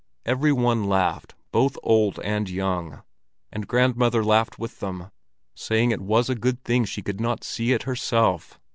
Every one laughed, both old and young, and grandmother laughed with them, saying it was a good thing she could not see it herself.